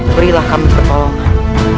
berilah kami pertolongan